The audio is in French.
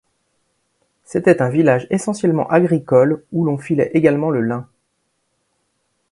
C'était un village essentiellement agricole où l'on filait également le lin.